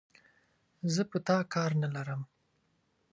زه په تا کار نه لرم،